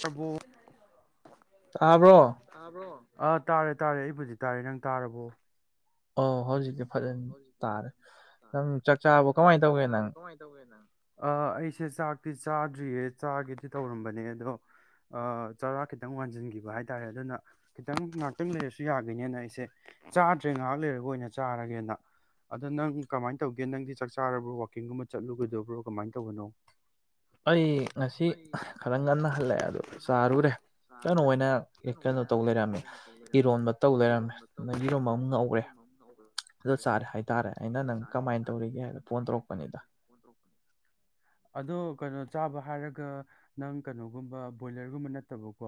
[unintelligible] ꯇꯥꯕ꯭ꯔꯣ ꯑꯥ ꯇꯥꯔꯦ ꯇꯥꯔꯦ ꯑꯩꯕꯨꯗꯤ ꯇꯥꯔꯦ ꯅꯪ ꯇꯥꯔꯕꯣ ꯑꯣ ꯍꯧꯖꯤꯛꯇꯤ ꯐꯖꯅ ꯇꯥꯔꯦ ꯅꯪ ꯆꯥꯛ ꯆꯥꯔꯕꯣ ꯀꯃꯥꯏꯅ ꯇꯧꯒꯦ ꯅꯪ ꯑ ꯑꯩꯁꯦ ꯆꯥꯛꯇꯤ ꯆꯥꯗ꯭ꯔꯤꯌꯦ ꯆꯥꯒꯦꯗꯤ ꯇꯧꯔꯝꯕꯅꯦ ꯑꯗꯣ ꯆꯔꯥ ꯈꯤꯇꯪ ꯋꯥꯟꯁꯤꯟꯈꯤꯕ ꯍꯥꯏꯇꯥꯔꯦ ꯑꯗꯨꯅ ꯈꯤꯇꯪ ꯉꯥꯛꯇꯪ ꯂꯩꯔꯁꯨ ꯌꯥꯒꯤꯅꯦꯅ ꯑꯩꯁꯦ ꯆꯥꯗ꯭ꯔꯦ ꯉꯥꯛ ꯂꯩꯔꯒ ꯑꯣꯏꯅ ꯆꯥꯔꯒꯦꯅ ꯑꯗ ꯅꯪ ꯀꯃꯥꯏꯅ ꯇꯧꯒꯦ ꯅꯪꯗꯤ ꯆꯥꯛ ꯆꯥꯔꯕ꯭ꯔꯣ ꯋꯥꯋꯥꯛꯀꯤꯡꯒꯨꯝꯕ ꯆꯠꯂꯨꯒꯗꯕ꯭ꯔꯣ ꯀꯃꯥꯏꯅ ꯇꯧꯕꯅꯣ ꯑꯩ ꯉꯁꯤ ꯈꯔ ꯉꯟꯅ ꯍꯜꯂꯛꯑꯦ ꯑꯗꯣ ꯆꯥꯔꯨꯔꯦ ꯀꯩꯅꯣ ꯑꯣꯏꯅ ꯀꯩꯅꯣ ꯇꯧ ꯂꯩꯔꯝꯃꯤ ꯏꯔꯣꯟꯕ ꯇꯧ ꯂꯩꯔꯝꯃꯦ ꯅꯪ ꯌꯦꯔꯨꯝ ꯑꯃ ꯉꯧꯔꯦ ꯑꯗꯨ ꯆꯥꯔꯦ ꯍꯥꯏꯇꯥꯔꯦ ꯑꯩꯅ ꯅꯪ ꯀꯃꯥꯏꯅ ꯇꯧꯔꯤꯒꯦ ꯍꯥꯏꯕ ꯐꯣꯟ ꯇꯧꯔꯛꯄꯅꯤꯗ ꯑꯗꯣ ꯀꯩꯅꯣ ꯆꯥꯕ ꯍꯥꯏꯔꯒ ꯅꯪ ꯀꯩꯅꯣꯒꯨꯝꯕ ꯕꯣꯏꯂꯔꯒꯨꯝꯕ ꯅꯠꯇꯕꯀꯣ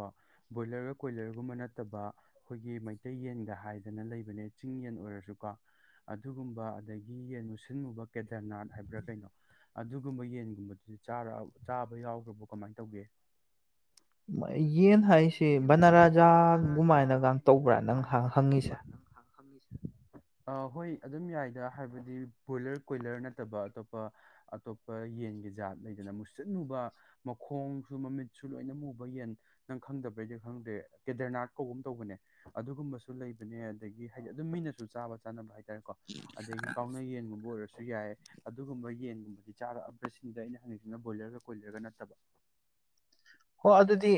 ꯕꯣꯏꯂꯔꯒ ꯀꯣꯏꯂꯔꯒꯨꯝꯕ ꯅꯠꯇꯕ ꯑꯩꯈꯣꯏꯒꯤ ꯃꯩꯇꯩ ꯌꯦꯟꯒ ꯍꯥꯏꯗꯅ ꯂꯩꯕꯅꯦ ꯆꯤꯡ ꯌꯦꯟ ꯑꯣꯏꯔꯁꯨ ꯀꯣ ꯑꯗꯨꯒꯨꯝꯕ ꯑꯗꯒꯤ ꯌꯦꯟ ꯃꯨꯁꯤꯟꯃꯨꯕ ꯀꯦꯗꯔꯅꯥꯠ ꯍꯥꯏꯕ꯭ꯔꯥ ꯀꯩꯅꯣ ꯑꯗꯨꯒꯨꯝꯕ ꯌꯦꯟꯒꯨꯝꯕꯗꯨꯗꯤ ꯆꯥꯔ ꯆꯥꯕ ꯌꯥꯎꯈ꯭ꯔꯕꯣ ꯀꯃꯥꯏꯅ ꯇꯧꯒꯦ ꯌꯦꯟ ꯍꯥꯏꯁꯤ ꯕꯅꯔꯥꯖꯥꯒꯨꯃꯥꯏꯅꯒ ꯇꯧꯕ꯭ꯔꯥ ꯅꯪ ꯍꯪꯉꯤꯁꯦ [inaudible] ꯑꯥ ꯍꯣꯏ ꯑꯗꯨꯝ ꯌꯥꯏꯗ ꯍꯥꯏꯕꯗꯤ ꯕꯣꯏꯂꯔ ꯀꯣꯏꯂꯔ ꯅꯠꯇꯕ ꯑꯇꯣꯞꯄ ꯑꯇꯣꯞꯄ ꯌꯦꯟꯒꯤ ꯖꯥꯠ ꯂꯩꯗꯅ ꯃꯨꯁꯤꯟ ꯃꯨꯕ ꯃꯈꯣꯡꯁꯨ ꯃꯃꯤꯠꯁꯨ ꯂꯣꯏꯅ ꯃꯨꯕ ꯌꯦꯟ ꯅꯪ ꯈꯪꯗꯕꯩꯔꯗꯤ ꯈꯪꯗꯦ ꯀꯦꯗꯔꯅꯥꯠ ꯀꯧꯕ ꯑꯃ ꯇꯧꯕꯅꯦ ꯑꯗꯨꯒꯨꯝꯕꯁꯨ ꯂꯩꯕꯅꯦ ꯑꯗꯒꯤ ꯍꯥꯏꯗꯤ ꯑꯗꯨꯝ ꯃꯤꯅꯁꯨ ꯆꯥꯕ ꯆꯥꯅꯕ ꯍꯥꯏꯇꯥꯔꯦꯀꯣ ꯑꯗꯒꯤ ꯀꯥꯎꯅ ꯌꯦꯟꯒꯨꯝꯕ ꯑꯣꯏꯔꯁꯨ ꯌꯥꯏꯌꯦ ꯑꯗꯨꯒꯨꯝꯕ ꯌꯦꯟꯒꯨꯝꯕꯗꯤ ꯆꯥꯔꯛꯑꯕ꯭ꯔꯥ ꯁꯤꯅꯤꯗ ꯑꯩꯅ ꯍꯪꯉꯤꯁꯤꯅ ꯕꯣꯏꯂꯔꯒ ꯀꯣꯏꯂꯔꯒ ꯅꯠꯇꯕ ꯑꯣ ꯑꯗꯨꯗꯤ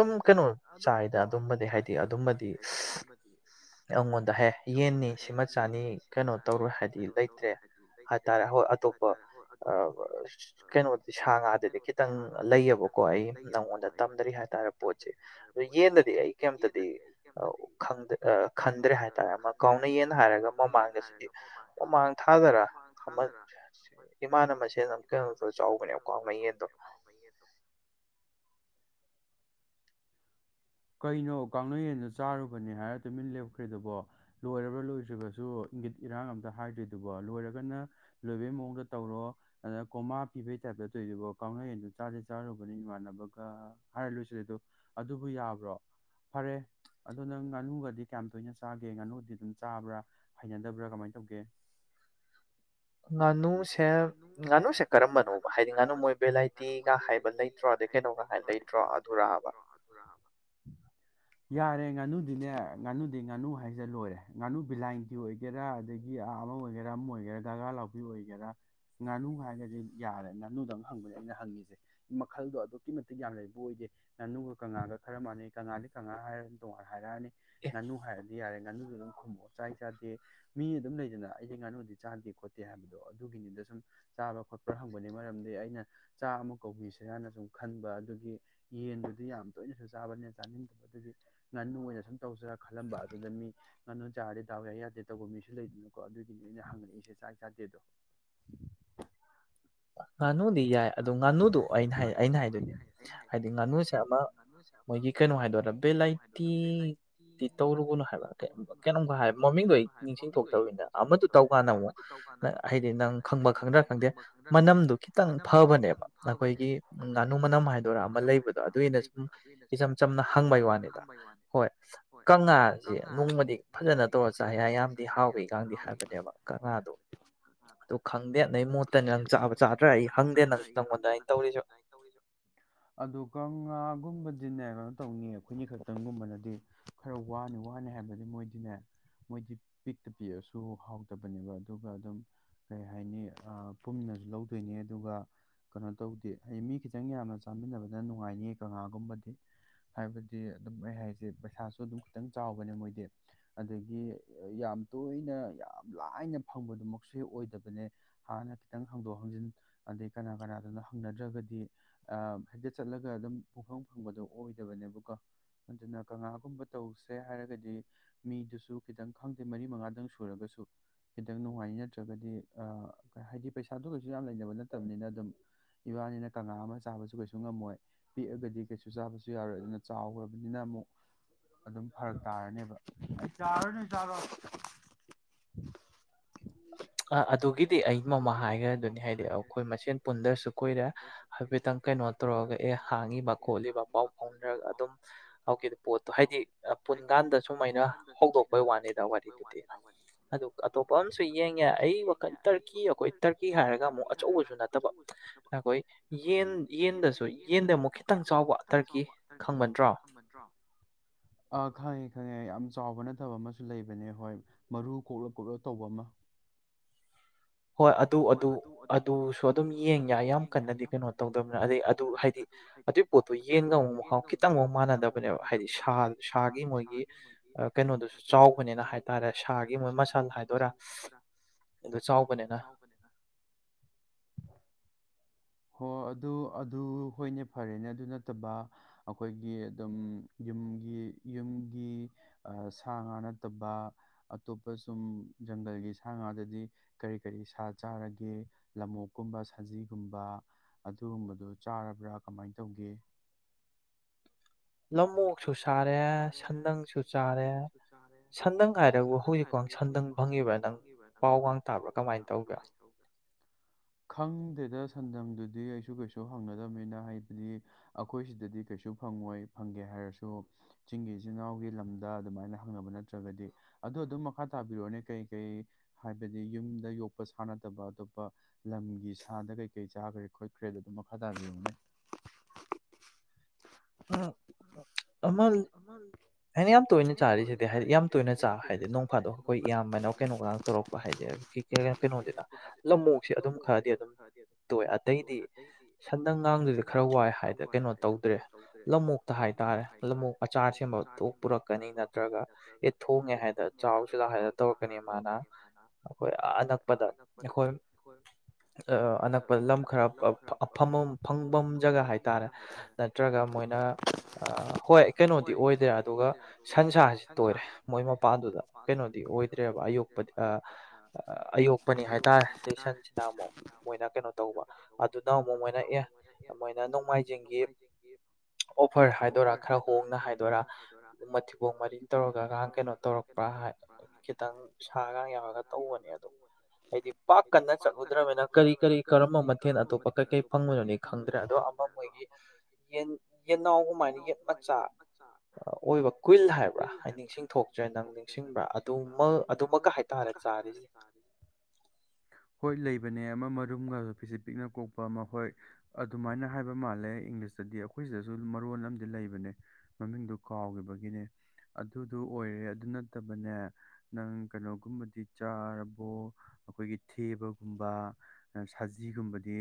ꯑꯗꯨꯗꯤ ꯑꯗꯨꯝ ꯀꯩꯅꯣ ꯆꯥꯏꯗ ꯑꯗꯨꯝꯕꯗꯤ ꯍꯥꯏꯗꯤ ꯑꯗꯨꯃꯗꯤ ꯑꯩꯉꯣꯟꯗꯍꯦ ꯌꯦꯟꯅꯤ ꯁꯤꯃꯆꯥꯅꯤ ꯀꯩꯅꯣ ꯇꯧꯔꯣꯏ ꯍꯥꯏꯕꯗꯤ ꯂꯩꯇ꯭ꯔꯦ ꯍꯥꯏꯇꯥꯔꯦ ꯍꯣꯏ ꯑꯇꯣꯞꯄ ꯀꯩꯅꯣꯗꯤ ꯁꯥ ꯉꯥꯗꯗꯤ ꯈꯤꯇꯪ ꯂꯩꯌꯦꯕꯀꯣ ꯀꯣ ꯑꯩ ꯅꯪꯉꯣꯟꯗ ꯇꯝꯗꯦ ꯍꯥꯏꯇꯥꯔꯦ ꯄꯣꯠꯁꯦ ꯑ ꯌꯦꯟꯗꯗꯤ ꯑꯩ ꯀꯔꯤꯝꯇꯗꯤ ꯈꯟꯗ꯭ꯔꯦ ꯍꯥꯏꯇꯥꯔꯦ ꯑꯃ ꯀꯥꯎꯅꯩꯌꯦꯟ ꯍꯥꯏꯔꯒ ꯃꯃꯥꯡꯗꯁꯤꯗꯤ ꯃꯃꯥꯡ ꯊꯥꯗꯔ ꯑꯃ ꯏꯃꯥꯟꯅ ꯃꯁꯦꯟ ꯑꯃꯇꯡ [unintelligible] ꯆꯥꯎꯕꯅꯦꯕ ꯀꯥꯎꯅꯌꯦꯟꯗꯣ ꯀꯩꯅꯣ ꯀꯥꯎꯅꯌꯦꯟꯗꯣ ꯆꯥꯔꯨꯕꯅꯦ ꯍꯥꯏꯔ ꯇꯨꯃꯤꯟ ꯂꯦꯞꯈ꯭ꯔꯤꯗꯨꯕꯣ ꯂꯣꯏꯔꯕ꯭ꯔꯥ ꯂꯣꯏꯗ꯭ꯔꯤꯕꯁꯨ ꯏꯪꯒꯤꯠ ꯏꯔꯥꯡ ꯑꯝꯇ ꯍꯥꯏꯗ꯭ꯔꯤꯗꯨꯕꯣ ꯂꯣꯏꯔꯒꯅ ꯂꯣꯏꯕꯩ ꯃꯑꯣꯡꯗ ꯇꯧꯔꯣ ꯑꯗ ꯀꯣꯝꯃꯥ ꯄꯤꯕꯩ ꯇꯥꯏꯞꯇ ꯇꯧꯔꯤꯗꯨꯕꯣ ꯀꯥꯎꯅꯌꯦꯟꯗꯨ ꯆꯥꯗꯤ ꯆꯥꯔꯨꯕꯅꯤ ꯏꯃꯥꯟꯅꯕꯒ ꯍꯥꯏꯔ ꯂꯣꯏꯁꯤꯂꯤꯗꯣꯕꯨ ꯑꯗꯨꯕꯨ ꯌꯥꯕ꯭ꯔꯣ ꯐꯔꯦ ꯑꯗꯣ ꯅꯪ ꯉꯥꯅꯨꯒꯗꯤ ꯀꯌꯥꯝ ꯇꯣꯏꯅ ꯆꯥꯒꯦ ꯉꯥꯅꯨꯗꯤ ꯑꯗꯨꯝ ꯆꯥꯕ꯭ꯔꯥ ꯍꯩꯅꯗꯕ꯭ꯔꯥ ꯀꯃꯥꯏꯅ ꯇꯧꯒꯦ [inaudible] ꯉꯥꯅꯨꯁꯦ ꯉꯥꯅꯨꯁꯦ ꯀꯔꯝꯕꯅꯣꯕ ꯍꯥꯏꯗꯤ ꯉꯥꯅꯨ ꯃꯣꯏ ꯚꯦꯔꯥꯏꯇꯤꯒ ꯍꯥꯏꯕ ꯂꯩꯇ꯭ꯔꯣꯗꯩ ꯀꯩꯅꯣꯒ ꯂꯩꯇ꯭ꯔꯣ ꯑꯗꯤ ꯀꯩꯅꯧꯉꯥꯏ ꯂꯩꯇ꯭ꯔꯣ ꯑꯗꯨꯔꯥꯕ [inaudible] ꯌꯥꯔꯦ ꯉꯥꯅꯨꯗꯤꯅꯦ ꯉꯥꯅꯨꯗꯤ ꯉꯥꯅꯨ ꯍꯥꯏꯁꯦ ꯂꯣꯏꯔꯦ ꯉꯥꯅꯨ ꯕꯤꯂꯥꯏꯟꯗꯤ ꯑꯣꯏ ꯑꯣꯏꯒꯦꯔꯥ ꯑꯗꯒꯤ ꯑꯥ ꯑꯃ ꯑꯣꯏꯒꯦꯔꯥ ꯑꯃ ꯑꯣꯏꯒꯦꯔꯥ ꯒꯥ ꯒꯥ ꯂꯥꯎꯕꯤ ꯑꯣꯏꯒꯦꯔꯥ ꯉꯥꯅꯨ ꯍꯥꯏꯔꯒꯗꯤ ꯌꯥꯔꯦ ꯉꯥꯅꯨꯗꯪ ꯍꯪꯕꯅꯦ ꯑꯩꯅ ꯍꯪꯉꯤꯁꯦ ꯃꯈꯜꯗꯣ ꯑꯗꯨꯛꯀꯤ ꯃꯇꯤꯛ ꯌꯥꯝ ꯂꯩꯕ ꯑꯣꯏꯗꯦ ꯉꯥꯅꯨꯒ ꯀꯪꯉꯥꯒ ꯈꯔ ꯃꯥꯟꯅꯩ ꯀꯪꯉꯥꯗꯤ ꯀꯪꯉꯥ ꯍꯥꯏꯔꯅꯤ ꯇꯣꯉꯥꯟꯅ ꯍꯥꯏꯔꯛꯑꯅꯤ ꯉꯥꯅꯨ ꯍꯥꯏꯔꯗꯤ ꯌꯥꯔꯦ ꯉꯥꯅꯨꯁꯨ ꯑꯗꯨꯝ ꯃꯣꯛ ꯆꯥꯏ ꯆꯥꯗꯦ ꯃꯤ ꯑꯗꯨꯝ ꯂꯩꯗꯅ ꯍꯥꯏꯗꯤ ꯉꯥꯅꯨꯗꯤ ꯆꯥꯗꯦ ꯈꯣꯠꯇꯦ ꯍꯥꯏꯕꯗꯣ ꯑꯗꯨꯒꯤꯅꯤꯗ ꯁꯨꯝ ꯆꯥꯕ ꯈꯣꯠꯄ ꯍꯪꯕꯅꯤ ꯃꯔꯝꯗꯤ ꯑꯩꯅ ꯆꯥꯛ ꯑꯃ ꯀꯧꯕꯤꯁꯦ ꯍꯥꯏꯅ ꯁꯨꯝ ꯈꯟꯕ ꯑꯗꯨꯒꯤ ꯌꯦꯟꯗꯨꯗꯤ ꯌꯥꯝ ꯇꯣꯏꯅꯁꯨ ꯆꯥꯕꯅꯦ ꯆꯥꯅꯤꯡꯗꯕ ꯑꯗꯨꯒꯤ ꯉꯥꯅꯨ ꯑꯣꯏꯅ ꯁꯨꯝ ꯇꯧꯖꯤꯔꯥ ꯈꯜꯂꯝꯕ ꯑꯗꯨꯅ ꯃꯤ ꯉꯥꯅꯨ ꯆꯥꯔꯗꯤ ꯗꯥꯎ ꯌꯥꯏ ꯌꯥꯗꯦ ꯇꯧꯕ ꯃꯤꯁꯨ ꯂꯩꯗꯅꯀꯣ ꯑꯗꯨꯒꯤꯅꯦ ꯑꯩꯅ ꯍꯪꯉꯛꯏꯁꯦ ꯆꯥꯏ ꯆꯥꯗꯦꯗꯣ [inaudible] ꯉꯥꯅꯨꯗꯤ ꯌꯥꯏ ꯑꯗꯨꯗ ꯉꯥꯅꯨꯗꯣ ꯑꯩꯅ ꯑꯩꯅ ꯍꯥꯏꯗꯨꯅꯦ ꯍꯥꯏꯗꯤ ꯉꯥꯅꯨꯁꯦ ꯑꯃ ꯃꯣꯏꯒꯤ ꯀꯩꯅꯣ ꯍꯥꯏꯗꯣꯏꯔꯥ ꯕꯦꯂꯥꯏꯇꯤꯗꯤ ꯇꯧꯔꯨꯒꯅꯨ ꯍꯥꯏꯕ ꯀꯩꯅꯣꯝ ꯍꯥꯏ ꯃꯃꯤꯡꯗꯣ ꯑꯩ ꯅꯤꯡꯁꯤꯡ ꯊꯣꯛꯇꯕꯅꯤꯗ ꯑꯃꯗꯨ ꯇꯧꯀꯥꯟꯗ ꯑꯃꯨꯛ ꯍꯥꯏꯗꯤ ꯅꯪ ꯈꯪꯕ ꯈꯪꯗ꯭ꯔꯥ ꯈꯪꯗꯦ ꯃꯅꯝꯗꯨ ꯈꯤꯇꯪ ꯐꯕꯅꯦꯕ ꯅꯈꯣꯏꯒꯤ ꯉꯥꯅꯨ ꯃꯅꯝ ꯍꯥꯏꯗꯣꯏꯔꯥ ꯑꯃ ꯂꯩꯕꯗꯣ ꯑꯗꯨꯒꯤꯅꯁꯨ ꯏꯆꯝ ꯆꯝꯅ ꯍꯪꯕꯩ ꯋꯥꯅꯤꯗ ꯍꯣꯏ ꯀꯪꯉꯥꯁꯦ ꯅꯣꯡꯃꯗꯤ ꯅꯣꯡꯃꯗꯤ ꯐꯖꯅ ꯇꯧꯔ ꯆꯥꯌꯥꯏ ꯌꯥꯝꯗꯤ ꯍꯥꯎꯋꯦ [unintelligible] ꯈꯪꯗꯦ ꯅꯩ ꯃꯣꯠꯇꯅꯤ ꯅꯪ ꯆꯥꯕ ꯆꯥꯗ꯭ꯔꯥ ꯑꯩ ꯍꯪꯗꯦ ꯅꯪ ꯅꯪꯉꯣꯟꯗ ꯑꯩꯅ ꯇꯧꯔꯤꯁꯨ ꯑꯗꯨ ꯀꯪꯉꯥꯒꯨꯝꯕꯗꯤꯅꯦ ꯀꯩꯅꯣ ꯇꯧꯅꯤ ꯑꯩꯈꯣꯏꯅꯤ ꯈꯛꯇꯪꯒꯨꯝꯕꯅꯗꯤ ꯈꯔ ꯋꯥꯅꯤ ꯋꯥꯅꯤ ꯍꯥꯏꯕꯗꯤ ꯃꯣꯏꯗꯤꯅꯦ ꯃꯣꯏꯗꯤ ꯄꯤꯛꯇ ꯄꯤꯛꯑꯁꯨ ꯍꯥꯎꯇꯕꯅꯦꯕ ꯑꯗꯨꯒ ꯑꯗꯨꯝ ꯀꯩ ꯍꯥꯏꯅꯤ ꯑ ꯄꯨꯝꯅꯁꯨ ꯂꯧꯗꯣꯏꯅꯦ ꯑꯗꯨꯒ ꯀꯩꯅꯣ ꯇꯧꯗꯦ ꯍꯥꯏꯗꯤ ꯃꯤ ꯈꯤꯇꯪ ꯌꯥꯝꯅ ꯆꯥꯃꯤꯟꯅꯕꯅ ꯅꯨꯡꯉꯥꯏꯅꯤꯌꯦ ꯀꯪꯉꯥꯒꯨꯝꯕꯗꯤ ꯍꯥꯏꯕꯗꯤ ꯑꯗꯨꯝ ꯑꯩ ꯍꯥꯏꯁꯦ ꯄꯩꯁꯥꯁꯨ ꯑꯗꯨꯝ ꯈꯤꯇꯪ ꯆꯥꯎꯕꯅꯦ ꯃꯣꯏꯗꯤ ꯑꯗꯒꯤ ꯌꯥꯝ ꯇꯣꯏꯅ ꯌꯥꯝ ꯂꯥꯏꯅ ꯐꯪꯕꯗꯨꯃꯛꯁꯦ ꯑꯣꯏꯗꯕꯅꯦ ꯍꯥꯟꯅ ꯈꯤꯇꯪ ꯍꯪꯗꯣꯛ ꯍꯟꯖꯤꯟ ꯑꯗꯩ ꯀꯅꯥ ꯀꯅꯥꯗ‌ꯅ‌ꯣ ꯍꯪꯅꯗ꯭ꯔꯒꯗꯤ ꯑ ꯍ‌ꯦꯛꯇ ꯆꯠꯂꯒ ꯑꯗꯨꯝ ꯄꯪꯐꯝ ꯐꯪꯕꯗꯣ ꯑꯣꯏꯗꯕꯅꯦꯕꯀꯣ ꯑꯗꯨꯅ ꯀꯪꯉꯥꯒꯨꯝꯕ ꯇꯧꯁꯦ ꯍꯥꯏꯔꯒꯗꯤ ꯃꯤꯗꯨꯁꯨ ꯈꯤꯇꯪ ꯈꯪꯗꯦ ꯃꯔꯤ ꯃꯉꯥꯗꯪ ꯁꯨꯔꯒꯁꯨ ꯈꯤꯇꯪ ꯅꯨꯡꯉꯥꯏ ꯅꯠꯇ꯭ꯔꯒꯗꯤ ꯍꯥꯏꯗꯤ ꯄꯩꯁꯥꯗꯨꯒꯁꯨ ꯌꯥꯝ ꯂꯩꯅꯕ ꯅꯠꯇꯕꯅꯤꯅ ꯑꯗꯨꯝ ꯏꯕꯥꯅꯤꯅ ꯀꯪꯉꯥ ꯑꯃ ꯆꯥꯕꯁꯨ ꯀꯩꯁꯨ ꯉꯝꯃꯣꯏ ꯄꯤꯛꯑꯒꯗꯤ ꯀꯩꯁꯨ ꯆꯥꯕꯁꯨ ꯌꯥꯔꯣꯏ ꯑꯗꯨꯅ ꯆꯥꯎꯈ꯭ꯔꯕꯅꯤꯅ ꯑꯃꯨꯛ ꯑꯗꯨꯝ ꯐꯔꯛ ꯇꯥꯔꯅꯦꯕ ꯑꯩ ꯆꯥꯔꯅꯤ ꯆꯥꯔ ꯑ ꯑꯗꯨꯒꯤ ꯗꯤ ꯑꯩ ꯃꯃꯥ ꯍꯥꯏꯈ꯭ꯔꯗꯨꯅꯤ ꯍꯥꯏꯗꯤ ꯑꯩꯈꯣꯏ ꯃꯁꯦꯟ ꯄꯨꯟꯗ꯭ꯔꯁꯨ ꯀꯨꯏꯔꯦ ꯍꯥꯏꯐꯦꯠꯇꯪ ꯀꯩꯅꯣ ꯇꯧꯔꯛꯒ ꯑꯦ ꯍꯥꯡꯉꯤꯕ ꯈꯣꯠꯂꯤꯕ ꯄꯥꯎ ꯐꯥꯎꯅꯔꯒ ꯑꯗꯨꯝ ꯍꯧꯀꯤ ꯄꯣꯠꯇꯣ ꯍꯥꯏꯗꯤ ꯄꯨꯟꯀꯥꯟꯗ ꯁꯨꯝ ꯑꯩꯅ ꯍꯧꯗꯣꯛꯄꯩ ꯋꯥꯅꯤꯗ ꯋꯥꯔꯤꯗꯨꯗꯤ ꯑꯗꯨ ꯑꯇꯣꯞꯄ ꯑꯃꯁꯝꯨ ꯌꯦꯡꯌꯥꯏ ꯑꯩ ꯋꯥꯈꯜ ꯇꯔꯀꯤ ꯑꯩꯈꯣꯏ ꯇꯔꯀꯤ ꯍꯥꯏꯔꯒ ꯑꯃꯨꯛ ꯑꯆꯧꯕꯁꯨ ꯅꯠꯇꯕ ꯑꯩꯈꯣꯏ ꯌꯦꯟ ꯌꯦꯟꯗꯁꯨ ꯌꯦꯟꯗ ꯑꯃꯨꯛ ꯈꯤꯇꯪ ꯆꯥꯎꯕ ꯇꯔꯀꯤ ꯈꯪꯕꯟꯇ꯭ꯔꯣ ꯑ ꯈꯪꯉꯦ ꯈꯪꯉꯦ ꯌꯥꯝ ꯆꯥꯎꯕ ꯅꯠꯇꯕ ꯑꯃꯁꯨ ꯂꯩꯕꯅꯦ ꯍꯣꯏ꯫ ꯃꯔꯨ ꯀꯣꯛꯂ ꯀꯣꯛꯂ ꯇꯧꯕ ꯑꯃ꯫ ꯍꯣꯏ ꯑꯗꯨ ꯑꯗꯨ ꯑꯗꯨꯁꯨ ꯑꯗꯨꯝ ꯌꯦꯡ ꯌꯥꯏ ꯌꯥꯝ ꯀꯟꯅꯗꯤ ꯀꯩꯅꯣ ꯇꯧꯗꯕꯅꯤꯅ ꯑꯗꯨꯗꯩ ꯑꯗꯨ ꯍꯥꯏꯗꯤ ꯑꯗꯨ ꯄꯣꯠꯇꯣ ꯌꯦꯡꯗ ꯃꯍꯥꯎ ꯈꯤꯇꯪꯐꯥꯎ ꯃꯥꯟꯅꯗꯕꯅꯦꯕ ꯍꯥꯏꯗꯤ ꯁꯥ ꯁꯥꯒꯤ ꯃꯣꯏꯒꯤ꯫ ꯀꯩꯅꯣꯗꯨꯁꯨ ꯆꯥꯎꯕꯅꯤꯅ ꯍꯥꯏꯇꯥꯔꯦ ꯁꯥꯒꯤ ꯃꯣꯏ ꯃꯁꯜ ꯍꯥꯏꯗꯣꯏꯔꯥ ꯑꯗꯨ ꯆꯥꯎꯕ ꯅꯤꯅ ꯅꯦ ꯍꯣ ꯑꯗꯨ ꯑꯗꯨ ꯍꯣꯏꯅꯦ ꯐꯔꯦꯅꯦ ꯑꯗꯨ ꯅꯠꯇꯕ ꯑꯩꯈꯣꯏꯒꯤ ꯑꯗꯨꯝ ꯌꯨꯝꯒꯤ ꯌꯨꯝꯒꯤ ꯑꯥ ꯁꯥ ꯉꯥ ꯅꯠꯇꯕ ꯑꯇꯣꯞꯄ ꯁꯨꯝ ꯖꯪꯒꯜꯒꯤ ꯁꯥ ꯉꯥꯗꯗꯤ ꯀꯔꯤ ꯀꯔꯤ ꯁꯥ ꯆꯥꯔꯒꯦ ꯂꯃꯣꯛꯀꯨꯝꯕ ꯁꯖꯤꯒꯨꯝꯕ ꯑꯗꯨꯒꯨꯝꯕꯗꯣ ꯆꯥꯔꯕ꯭ꯔꯥ ꯀꯃꯥꯏꯅ ꯇꯧꯒꯦ ꯂꯧꯃꯣꯛꯁꯨ ꯁꯥꯔꯦ ꯁꯟ ꯅꯪꯁꯨ ꯆꯥꯔꯦ ꯁꯟꯗꯪ ꯍꯥꯏꯔꯕꯨ ꯍꯧꯖꯤꯛꯐꯥꯎ ꯁꯟꯗꯪ ꯐꯪꯉꯤꯕ꯭ꯔꯥ ꯅꯪ ꯄꯥꯎ ꯋꯥ ꯇꯥꯕ ꯀꯃꯥꯏꯅ ꯇꯧꯒꯦ ꯈꯪꯗꯦꯗ ꯁꯟꯗꯪꯗꯨꯗꯤ ꯑꯩꯁꯨ ꯀꯩꯁꯨ ꯍꯪꯒꯗꯕꯅꯤꯅ ꯍꯥꯏꯕꯗꯤ ꯑꯈꯣꯏ ꯁꯤꯗꯗꯤ ꯀꯩꯁꯨ ꯐꯪꯉꯣꯏ ꯐꯪꯒꯦ ꯍꯥꯏꯔꯁꯨ ꯆꯤꯡꯒꯤ ꯏꯆꯤꯜ ꯏꯅꯥꯎꯒꯤ ꯂꯝꯗ ꯑꯗꯨꯃꯥꯏꯅ ꯍꯪꯉꯅꯕ ꯅꯠꯇ꯭ꯔꯒꯗꯤ꯫ ꯑꯗꯨꯗ ꯑꯗꯨꯝ ꯃꯈꯥ ꯇꯥꯕꯤꯔꯛꯑꯣꯅꯦ ꯀꯩꯀꯩ ꯍꯥꯏꯕꯗꯤ ꯌꯨꯝꯗ ꯌꯣꯛꯄ ꯁꯥꯟꯅꯗꯕ ꯑꯇꯣꯞꯄ꯫ ꯂꯝꯒꯤ ꯁꯥꯗ ꯀꯩꯀꯩ ꯆꯥꯈ꯭ꯔꯦ ꯈꯣꯠꯈ꯭ꯔꯦꯗ ꯑꯗꯨꯝ ꯃꯈꯥ ꯇꯥꯕꯤꯌꯨꯅꯦ [unintelligible] ꯑꯃꯜ ꯑꯩꯅ ꯌꯥꯝ ꯇꯣꯏꯅ ꯆꯥꯔꯤꯁꯤꯗꯤ ꯍꯥꯏꯗꯤ ꯌꯥꯝ ꯇꯣꯏꯅ ꯆꯥ ꯍꯥꯏꯗꯤ ꯅꯣꯡ ꯐꯥꯗꯣꯛ ꯑꯩꯈꯣꯏ ꯏꯌꯥꯝꯕꯅ ꯀꯩꯅꯣꯒ ꯇꯧꯔꯛꯄ ꯍꯥꯏꯗꯤ ꯀꯩꯅꯣꯁꯤꯗ ꯂꯃꯣꯛꯁꯦ ꯑꯗꯨꯝ ꯈꯔꯗꯤ ꯑꯗꯨꯝ ꯇꯣꯏꯑꯦ ꯑꯇꯩꯗꯤ ꯁꯟꯗꯪꯒꯥꯡꯗꯨꯗꯤ ꯈꯔ ꯋꯥꯏ ꯍꯥꯏꯗ ꯀꯩꯅꯣ ꯇꯧꯗ꯭ꯔꯦ ꯂꯃꯣꯛꯇ ꯍꯥꯏꯇꯥꯔꯦ ꯫ ꯃꯆꯥ ꯑ ꯁꯦꯝꯕ ꯊꯣꯛ ꯄꯨꯔꯛꯀꯅꯤ ꯅꯠꯇ꯭ꯔꯒ ꯑꯦ ꯊꯣꯡꯉꯦ ꯍꯥꯏꯗꯅ ꯆꯥꯎꯁꯤꯗ ꯍꯥꯏꯔ ꯇꯧꯔꯛꯀꯅꯤ ꯃꯥꯅ ꯑꯈꯣꯏ ꯑꯅꯛꯄꯗ ꯑꯈꯣꯏ ꯑꯅꯛꯄꯗ ꯂꯝ ꯈꯔ ꯐꯪꯐꯝ ꯖꯒꯥ ꯍꯥꯏꯇꯥꯔꯦ ꯅꯠꯇ꯭ꯔꯒ ꯃꯣꯏꯅ ꯍꯣꯏ ꯀꯩꯅꯣꯗꯤ ꯑꯣꯏꯗ꯭ꯔꯦ ꯑꯗꯨꯒ ꯁꯟꯁꯁꯤ ꯇꯣꯏꯔꯦ ꯃꯣꯏ ꯃꯄꯥꯟꯗꯨꯗ ꯀꯩꯅꯣꯗꯤ ꯑꯣꯏꯗ꯭ꯔꯦꯕ ꯌꯨꯝ ꯑꯌꯣꯛꯄꯅꯤ ꯍꯥꯏꯇꯥꯔꯦ ꯁꯤ ꯁꯟꯁꯤꯅ ꯑꯃꯨꯛ ꯃꯣꯏꯅ ꯀꯩꯅꯣ ꯇꯧꯕ ꯑꯗꯨꯅ ꯑꯃꯨꯛ ꯃꯣꯏꯅ ꯑꯦ ꯃꯣꯏꯅ ꯅꯣꯡꯃꯥꯏꯖꯤꯡꯒꯤ ꯑꯣꯐꯔ ꯍꯥꯏꯗꯣꯏꯔꯥ ꯈꯔ ꯍꯣꯡꯉ ꯍꯥꯏꯗꯣꯏꯔꯥ ꯎ ꯃꯊꯤꯕꯣꯡ ꯃꯔꯤꯟ ꯇꯧꯔꯒ ꯑ ꯀꯩꯅꯣ ꯇꯧꯔꯛꯄ꯭ꯔꯥ ꯈꯤꯇꯪ ꯁꯥꯒ ꯌꯥꯎꯔꯒ ꯇꯧꯕꯅꯦ ꯑꯗꯨ ꯑꯩꯗꯤ ꯄꯥꯛ ꯀꯟꯅ ꯆꯠꯂꯨꯗ꯭ꯔꯕꯅꯤꯅ ꯀꯔꯤ ꯀꯔꯤ ꯀꯔꯤ ꯀꯔꯤ ꯀꯔꯝꯕ ꯃꯊꯦꯜ ꯑꯇꯣꯞꯄ ꯀꯩꯀꯩ ꯐꯪꯕꯅꯣꯗꯤ ꯈꯪꯗ꯭ꯔꯦ ꯑꯗꯣ ꯑꯃ ꯌꯦꯟ ꯌꯦꯟꯅꯥꯎꯒꯨꯃꯥꯏꯅ ꯌꯦꯟ ꯃꯆꯥ ꯆꯥ ꯑꯣꯏꯕ ꯀꯨꯏꯜ ꯍꯥꯏꯕ꯭ꯔꯥ ꯍꯥꯏ ꯅꯤꯡꯁꯤꯡ ꯊꯣꯛꯇ꯭ꯔꯦ ꯅꯪ ꯅꯤꯡꯁꯤꯡꯕ꯭ꯔꯥ ꯑꯗꯨꯃꯥ ꯑꯗꯨꯃꯛꯒ ꯍꯥꯏꯇꯥꯔꯗꯤ ꯇꯔꯤ [unintelligible] ꯍꯣꯏ ꯂꯩꯕꯅꯦ ꯑꯃ ꯃꯔꯨꯝꯒꯁꯨ ꯄꯤꯁꯤꯛ ꯄꯤꯛꯅꯥ ꯀꯣꯛꯄ ꯑꯃ ꯍꯣꯏ ꯑꯗꯨꯃꯥꯏꯅ ꯍꯥꯏꯕ ꯃꯥꯜꯂꯦ ꯏꯪꯂꯤꯁꯇꯗꯤ ꯑꯩꯈꯣꯏ ꯁꯤꯗꯁꯨ ꯃꯔꯣꯟ ꯑꯃꯗꯤꯝ ꯂꯩꯕꯅꯦ꯫ ꯃꯃꯤꯡꯗꯨ ꯀꯥꯎꯒꯤꯕꯒꯤꯅꯦ ꯑꯗꯨꯗꯨ ꯑꯣꯏꯔꯦ ꯑꯗꯨ ꯅꯠꯇꯕꯅꯦ꯫ ꯅꯪ ꯀꯩꯅꯣꯒꯨꯝꯕꯗꯤ ꯆꯥꯔꯕꯣ ꯑꯩꯈꯣꯏꯒꯤ ꯊꯦꯕꯒꯨꯝꯕ ꯁꯖꯤꯒꯨꯝꯕꯗꯤ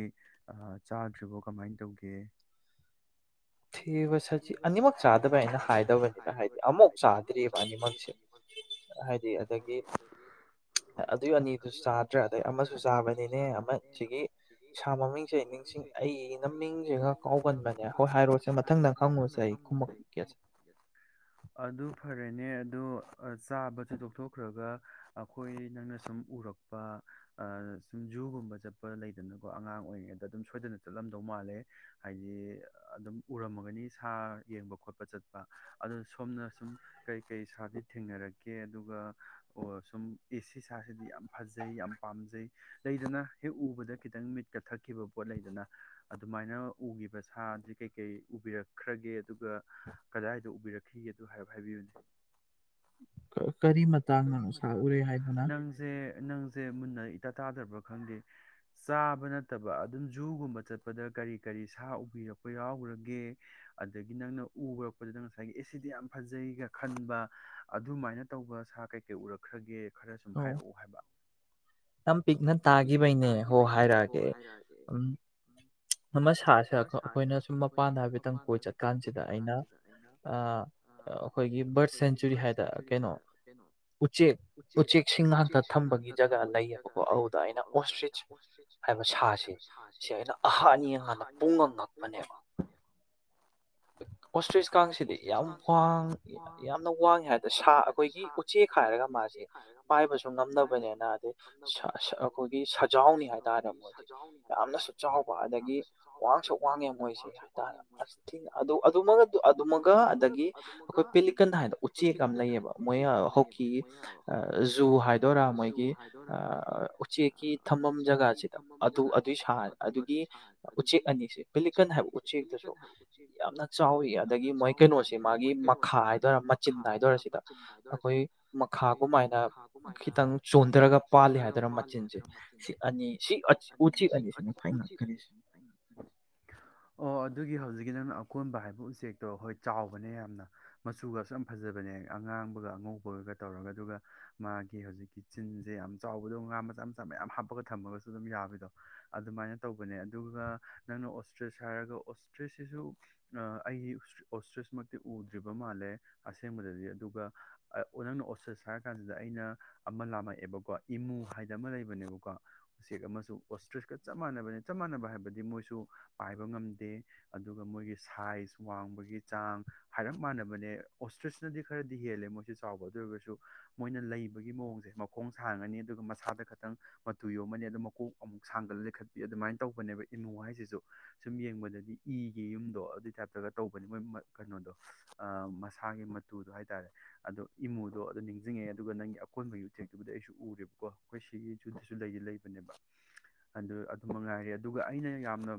ꯑꯥ ꯆꯥꯗ꯭ꯔꯤꯕꯣ ꯀꯃꯥꯏꯅ ꯇꯧꯒꯦ ꯊꯦꯕꯥ ꯁꯖꯤ ꯑꯅꯤꯃꯛ ꯆꯥꯗꯕꯩ ꯑꯩꯅꯥ ꯍꯥꯏꯗꯕꯅꯤꯅ ꯍꯥꯏꯗꯤ ꯑꯃꯨꯛ ꯆꯥꯗ꯭ꯔꯤꯑꯦꯕ ꯑꯅꯤꯃꯛꯁꯤ ꯍꯥꯏꯗꯤ ꯑꯗꯒꯤ ꯑꯗꯨꯏ ꯑꯅꯤꯗꯨꯁꯨ ꯆꯥꯗ꯭ꯔꯦ ꯑꯗꯩ ꯑꯃꯁꯨ ꯆꯥꯕꯅꯤꯅꯦ ꯑꯃ ꯁꯤꯒꯤ ꯁꯥ ꯃꯃꯤꯡꯁꯦ ꯑꯩ ꯅꯤꯡꯁꯤꯡ ꯑꯩꯩꯅ ꯃꯤꯡꯁꯦ ꯈꯔꯥ ꯀꯥꯎꯒꯟꯕꯅꯦ ꯍꯣꯏ ꯍꯥꯏꯔꯣꯁꯤ ꯃꯊꯪꯗ ꯈꯪꯉꯨꯁꯦ ꯑꯩ ꯈꯨꯝꯃꯛꯀꯦꯁꯦ ꯑꯗꯨ ꯐꯔꯦꯅꯦ ꯑꯗꯣ ꯆꯥꯕꯁꯤ ꯇꯣꯛꯊꯣꯛꯈ꯭ꯔꯒ ꯑꯩꯈꯣꯏ ꯅꯪꯅ ꯁꯨꯝ ꯎꯔꯛ ꯄꯥ ꯑꯥ ꯁꯨꯝ ꯖꯨꯒꯨꯝꯕ ꯆꯠꯄ ꯂꯩꯗꯅꯀꯣ ꯑꯉꯥꯡ ꯑꯣꯏꯔꯤꯉꯩꯗ ꯑꯗꯨꯝ ꯁꯣꯏꯗꯅ ꯆꯠꯂꯝꯗꯧ ꯃꯥꯜꯂꯦ ꯍꯥꯏꯗꯤ ꯑꯗꯨꯝ ꯎꯔꯝꯃꯒꯅꯤ ꯁꯥ ꯌꯦꯡꯕ ꯈꯣꯠꯄ ꯆꯠꯄ ꯑꯗꯨ ꯁꯣꯝꯅ ꯁꯨꯝ ꯀꯩꯀꯩ ꯁꯥꯗꯤ ꯊꯦꯡꯅꯔꯛꯀꯦ ꯑꯗꯨꯒ ꯑꯣ ꯁꯨꯝ ꯑꯦꯁꯤ ꯁꯥꯁꯤꯗꯤ ꯌꯥꯝ ꯐꯖꯩ ꯌꯥꯝ ꯄꯥꯝꯖꯩ ꯂꯩꯗꯅ ꯍꯦꯛ ꯎꯕꯗ ꯈꯤꯇꯪ ꯃꯤꯠ ꯀꯊꯛꯈꯤꯕ ꯄꯣꯠ ꯂꯩꯗꯅ ꯑꯗꯨꯃꯥꯏꯅ ꯎꯒꯤꯕ ꯁꯥꯁꯦ ꯀꯩꯀꯩ ꯎꯕꯤꯔꯛꯈ꯭ꯔꯒꯦ ꯑꯗꯨꯒ ꯀꯗꯥꯏꯗ ꯎꯕꯤꯔꯛꯈꯤꯒꯦ ꯑꯗꯨ ꯍꯥꯏꯔꯞ ꯍꯥꯏꯕꯤꯌꯨꯅꯦ ꯑꯣ ꯀꯔꯤ ꯃꯇꯥꯡꯅꯣ ꯁꯥ ꯎꯔꯦ ꯍꯥꯏꯗꯨꯅ ꯁꯦ ꯅꯪꯁꯦ ꯃꯨꯟꯅ ꯏꯇꯥ ꯇꯥꯗꯕ꯭ꯔꯥ ꯈꯪꯗꯦ ꯆꯥꯕ ꯅꯠꯇꯕ ꯑꯗꯨꯝ ꯖꯨꯒꯨꯝꯕ ꯆꯠꯄꯗ ꯀꯔꯤ ꯀꯔꯤ ꯁꯥ ꯎꯕꯤꯔꯛꯄ ꯌꯥꯎꯈ꯭ꯔꯒꯦ ꯑꯗꯒꯤ ꯅꯪꯅ ꯎꯔꯛꯄꯗꯨꯗ ꯉꯥꯁꯥꯏꯒꯤ ꯑꯦ ꯁꯤꯗꯤ ꯌꯥꯝ ꯐꯖꯩꯒ ꯈꯟꯕ ꯑꯗꯨꯃꯥꯏꯅ ꯇꯧꯕ ꯁꯥ ꯀꯩ ꯀꯩ ꯎꯔꯛꯈ꯭ꯔꯒꯦ ꯈꯔ ꯁꯨꯝ ꯍꯥꯏꯔꯛꯎ ꯍꯥꯏꯕ ꯌꯥꯝ ꯄꯤꯛꯅ ꯇꯥꯒꯤꯕꯩꯅꯦ ꯍꯣꯏ ꯍꯥꯏꯔꯛꯑꯒꯦ ꯎꯝ ꯑꯥꯃ ꯁꯥꯁꯦ ꯑꯩꯈꯣꯏꯅ ꯁꯨꯝ ꯃꯄꯥꯟꯗ ꯍꯥꯏꯐꯦꯠꯇꯪ ꯀꯣꯏ ꯆꯠꯀꯥꯟꯁꯤꯗ ꯑꯩꯅ ꯑꯥ ꯑꯩꯈꯣꯏꯒꯤ ꯕꯥꯔꯠ ꯁꯦꯟꯆꯨꯔꯤ ꯍꯥꯏꯗ ꯀꯩꯅꯣ ꯎꯆꯦꯛ ꯎꯆꯦꯛꯁꯤꯡ ꯉꯥꯛꯇ ꯊꯝꯕꯒꯤ ꯖꯒꯥ ꯂꯩ ꯖꯒꯥ ꯂꯩ ꯑꯩꯅ ꯑꯣꯁꯇ꯭ꯔꯤꯆ ꯍꯥꯏꯕ ꯁꯥꯁꯤ ꯁꯤ ꯑꯩꯅ ꯑꯍꯥꯟ ꯌꯦꯡꯒꯥꯟꯗ ꯄꯨꯡꯉꯛ ꯉꯛꯄꯅꯦꯕ [inaudible] ꯑꯣꯁꯇ꯭ꯔꯤꯁꯀꯥꯡꯁꯤꯗꯤ ꯌꯥꯝ ꯋꯥꯡ ꯌꯥꯝꯅ ꯋꯥꯡꯉꯦ ꯍꯥꯏꯗ ꯁꯥ ꯑꯩꯈꯣꯏꯒꯤ ꯆꯦꯛ ꯈꯥꯏꯔꯒ ꯃꯥꯁꯦ ꯄꯥꯏꯕꯁꯨ ꯉꯝꯅꯕꯅꯤꯅ ꯑꯗꯩ ꯁꯥ ꯁꯥ ꯑꯩꯈꯣꯏꯒꯤ ꯁꯖꯥꯎꯅꯤ ꯍꯥꯏꯇꯥꯔꯦ ꯃꯣꯏꯁꯦ ꯌꯥꯝꯅꯁꯨ ꯆꯥꯎꯕ ꯑꯗꯒꯤ ꯋꯥꯡꯁꯨ ꯋꯥꯡꯉꯦ ꯃꯣꯏꯁꯦ ꯗ ꯑꯁꯊꯤꯡ ꯑꯗꯨ ꯑꯗꯨꯃꯒ ꯑꯗꯨꯃꯒꯥ ꯑꯗꯒꯤ ꯑꯩꯈꯣꯏ ꯄꯦꯂꯤꯀꯟꯗ ꯍꯥꯏꯗꯣ ꯎꯆꯦꯛ ꯑꯃ ꯂꯩꯌꯦꯕ ꯃꯣꯏ ꯍꯧꯀꯤ ꯖꯨ ꯍꯥꯏꯗꯣꯏꯔꯥ ꯃꯣꯏꯒꯤ ꯎꯆꯦꯛꯀꯤ ꯊꯝꯐꯝ ꯖꯒꯥꯁꯤꯗ ꯑꯗꯨ ꯑꯗꯨꯏ ꯁꯥꯔꯦ ꯑꯗꯨꯒꯤ ꯎꯆꯦꯛ ꯑꯅꯤꯁꯦ ꯄꯤꯂꯤꯀꯟ ꯍꯥꯏꯕ ꯎꯆꯦꯛꯇꯁꯨ ꯌꯥꯝꯅ ꯆꯥꯎꯋꯤ ꯑꯗꯒꯤ ꯃꯣꯏ ꯀꯩꯅꯣꯁꯦ ꯃꯥꯒꯤ ꯃꯈꯥ ꯍꯥꯏꯗꯣꯏꯔꯥ ꯃꯆꯤꯟ ꯍꯥꯏꯗꯣꯏꯔꯥ ꯁꯤꯗ ꯑꯩꯈꯣꯏ ꯃꯈꯥꯒꯨꯃꯥꯏꯅ ꯈꯤꯇꯪ ꯆꯣꯟꯊꯔꯒ ꯄꯥꯜꯂꯤ ꯍꯥꯏꯗꯣꯏꯔ ꯃꯆꯤꯟꯁꯦ [inaudible] ꯑꯣ ꯑꯗꯨꯒꯤ ꯍꯧꯖꯤꯛꯀꯤ ꯅꯪꯅ ꯑꯀꯣꯟꯕ ꯍꯥꯏꯕ ꯎꯆꯦꯛꯇꯣ ꯑꯩꯈꯣꯏ ꯆꯥꯎꯕꯅꯦ ꯌꯥꯝꯅ ꯃꯆꯨꯒ ꯑꯁꯨ ꯌꯥꯝ ꯐꯖꯕꯅꯦ ꯑꯉꯥꯡꯕꯒ ꯑꯉꯧꯕꯒꯒ ꯇꯧꯔꯒ ꯑꯗꯨꯒ ꯃꯥꯒꯤ ꯍꯧꯖꯤꯛꯀꯤ ꯆꯤꯟꯁꯦ ꯌꯥꯝ ꯆꯥꯎꯕꯗꯣ ꯉꯥ ꯃꯆꯥ ꯃꯌꯥꯝ ꯍꯥꯞꯄꯒ ꯊꯝꯃꯒꯁꯨ ꯑꯗꯨꯝ ꯌꯥꯕꯗꯣ ꯑꯗꯨꯃꯥꯏꯅ ꯇꯧꯕꯅꯦ ꯑꯗꯨꯒ ꯅꯪꯅ ꯑꯣꯁꯇ꯭ꯔꯦꯁ ꯍꯥꯏꯔꯒ ꯑꯣꯁ ꯇ꯭ꯔꯦꯁꯁꯤꯁꯨ ꯑꯩꯒꯤ ꯑꯣꯁꯇ꯭ꯔꯤꯁꯃꯛꯇꯤ ꯎꯗ꯭ꯔꯤꯕ ꯃꯥꯜꯂꯦ ꯑꯁꯦꯡꯕꯗꯗꯤ ꯑꯗꯨꯒ ꯅꯪꯅ ꯑꯣꯁꯁ ꯍꯥꯏꯔ ꯀꯥꯟꯁꯤꯗ ꯑꯩꯅ ꯑꯃ ꯂꯥꯝꯃꯛꯑꯦꯕꯀꯣ ꯏꯃꯨ ꯍꯥꯏꯗ ꯑꯃ ꯂꯩꯕ ꯅꯦꯕꯀꯣ ꯎꯆꯦꯛ ꯑꯃꯁꯨ ꯑꯣꯁꯇ꯭ꯔꯤꯁꯀ ꯆꯞ ꯃꯥꯟꯅꯕꯅꯦ ꯆꯞ ꯃꯥꯟꯅꯕ ꯍꯥꯏꯕꯗꯤ ꯃꯣꯏꯁꯨ ꯄꯥꯏꯕ ꯉꯝꯗꯦ ꯑꯗꯨꯒ ꯃꯣꯏꯒꯤ ꯁꯥꯏꯖ ꯋꯥꯡꯕꯒꯤ ꯆꯥꯡ ꯍꯥꯏꯔꯞ ꯃꯥꯟꯅꯕꯅꯦ ꯑꯣꯁꯇ꯭ꯔꯤꯁꯅꯗꯤ ꯈꯔꯗꯤ ꯍꯦꯜꯂꯦ ꯃꯣꯏꯁꯦ ꯆꯥꯎꯕ ꯑꯗꯨ ꯑꯣꯏꯔꯒꯁꯨ ꯃꯣꯏꯅ ꯂꯩꯕꯒꯤ ꯃꯑꯣꯡꯖꯦ ꯈꯣꯡ ꯁꯥꯡꯉꯅꯤ ꯑꯗꯨꯒ ꯃꯁꯥꯗ ꯈꯛ ꯇꯪ ꯃꯇꯨ ꯌꯣꯝꯃꯅꯤ ꯑꯗꯨ ꯃꯀꯣꯛ ꯑꯃꯨꯛ ꯁꯥꯡꯒꯠꯂꯦ ꯂꯩꯈꯠꯄꯤ ꯑꯗꯨꯃꯥꯏꯅ ꯇꯧꯕꯅꯦꯕ ꯏꯃꯨ ꯍꯥꯏꯖꯤꯖꯨ ꯁꯨꯝ ꯌꯦꯡꯕꯗꯗꯤ ꯏꯒꯤ ꯌꯨꯝꯗꯣ ꯑꯗꯨꯏ ꯇꯥꯏꯞꯇꯒ ꯇꯧꯕꯅꯤ ꯃꯣꯏ ꯀꯩꯅꯣꯗꯣ ꯑ ꯃꯁꯥꯒꯤ ꯃꯇꯨꯗꯣ ꯍꯥꯏꯇꯔꯦ ꯑꯗꯣ ꯏꯃꯨꯗꯣ ꯑꯗꯨ ꯅꯤꯡꯖꯤꯡꯉꯦ ꯑꯗꯨꯒ ꯅꯪꯒꯤ ꯑꯀꯣꯟꯕ [unintelligible] ꯑꯩꯁꯨ ꯎꯔꯦꯕꯀꯣ ꯑꯈꯣꯏꯁꯤ ꯁꯤꯒꯤ ꯁꯨꯁꯨ ꯂꯩꯗꯤ ꯂꯩꯕꯅꯦꯕ ꯑꯗꯨ ꯑꯗꯨꯃꯛ ꯉꯥꯏꯔꯦ ꯑꯗꯨꯒ ꯑꯩꯅ ꯌꯥꯝꯅ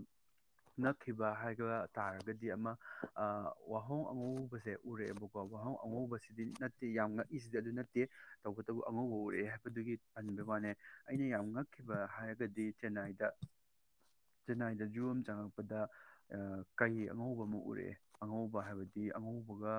ꯉꯛꯈꯤꯕ ꯍꯥꯏꯕ ꯇꯥꯔꯒꯗꯤ ꯑꯃ ꯑ ꯋꯥꯍꯣꯡ ꯑꯉꯧꯕꯁꯦ ꯎꯔꯛꯑꯦꯕ ꯀꯣ ꯋꯥꯍꯣꯛꯡ ꯑꯉꯧꯕꯁꯤꯗꯤ ꯅꯠꯇꯦ ꯌꯥꯝ ꯉꯛꯏꯁꯤꯗꯤ ꯑꯗꯨ ꯅꯠꯇꯦ ꯇꯧꯕꯇꯕꯨ ꯑꯉꯧꯕ ꯍꯧꯔꯛꯑꯦ ꯍꯥꯏꯕꯗꯨꯒꯤ ꯄꯟꯕ ꯋꯥꯅꯦ ꯑꯩꯅ ꯌꯥꯝ ꯉꯛꯈꯤꯕ ꯍꯥꯏꯔꯒꯗꯤ ꯆꯦꯟꯅꯥꯏꯗ ꯆꯦꯟꯅꯥꯏꯗ ꯖꯨ ꯑꯃ ꯆꯪꯉꯛꯄꯗ ꯀꯩ ꯑꯉꯧꯕ ꯑꯃ ꯎꯔꯛꯑꯦ ꯑꯉꯧꯕ ꯍꯥꯏꯕꯗꯤ ꯑꯉꯧꯕꯒ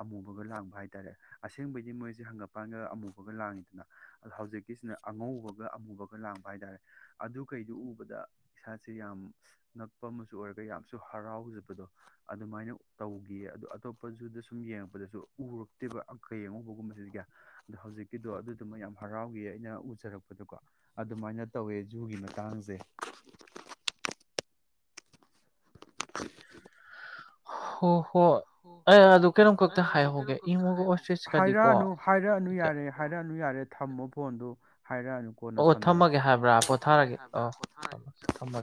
ꯑꯃꯨꯕꯒ ꯂꯥꯡꯕ ꯍꯥꯏꯇꯥꯔꯦ ꯑꯁꯦꯡꯕꯩꯗꯤ ꯃꯣꯏꯁꯦ ꯍꯪꯒ ꯄꯥꯟꯒ ꯑꯃꯨꯕꯒ ꯂꯥꯡꯉꯤꯗꯅ ꯑ ꯍꯧꯖꯤꯛ ꯀꯁꯤꯅ ꯑꯉꯧꯕꯒ ꯑꯃꯨꯕꯒ ꯂꯥꯡꯕ ꯍꯥꯏꯇꯥꯔꯦ ꯑꯗꯀꯩꯗꯨ ꯎꯕꯗ ꯏꯁꯥꯁꯦ ꯌꯥꯝ ꯅꯛꯄꯝ ꯑꯃꯁꯨ ꯑꯣꯏꯔꯒ ꯌꯥꯝꯁꯨ ꯍꯔꯥꯎꯖꯕꯗꯣ ꯑꯗꯨꯃꯥꯏꯅ ꯇꯧꯒꯤꯌꯦ ꯑꯗꯨ ꯑꯇꯣꯞꯄ ꯖꯨꯗ ꯁꯨꯝ ꯌꯦꯡꯉꯛꯄꯗꯁꯨ ꯎꯔꯛꯇꯦꯕ ꯀꯩ ꯑꯉꯧꯕ ꯒꯨꯝꯕꯁꯤꯗꯤ ꯀꯌꯥ ꯑꯗꯨ ꯍꯧꯖꯤꯛꯀꯤꯗꯣ ꯑꯗꯨꯗꯨꯃ ꯌꯥꯝ ꯍꯔꯥꯎꯒꯤ ꯑꯩ ꯑꯩꯅ ꯎꯖꯔꯛꯄꯗꯀꯣ ꯑꯗꯨꯃꯥꯏꯅ ꯇꯧꯋꯦ ꯖꯨꯒꯤ ꯃꯇꯥꯡꯖꯦ ꯍꯣ ꯍꯣꯏ ꯍꯣꯏ ꯍꯣꯏ ꯑꯩ ꯑꯗꯨ ꯀꯩꯅꯣꯝ ꯈꯛꯇ ꯍꯥꯏꯍꯧꯒꯦ ꯍꯥꯏꯔꯛꯑꯅꯨ ꯍꯥꯏꯔꯛꯑꯅꯨ ꯌꯥꯔꯦ ꯍꯥꯏꯔꯛꯑꯅꯨ ꯌꯥꯔꯦ ꯊꯝꯃꯣ ꯐꯣꯟꯗꯣ ꯍꯥꯏꯔꯛꯑꯅꯨ ꯀꯣꯟꯅ ꯁꯥꯟꯅꯔꯁꯤ ꯑꯣ ꯊꯝꯃꯒꯦ ꯍꯥꯏꯕ꯭ꯔꯥ ꯄꯣꯊꯔꯒꯦ